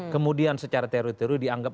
kemudian secara teritori dianggap